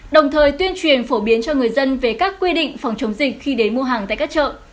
đồng thời tuyên truyền phổ biến cho người dân về các quy định phòng chống dịch khi đến mua hàng tại các chợ